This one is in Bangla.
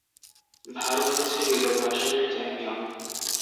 ভারত হচ্ছে বিগত আসরের চ্যাম্পিয়ন।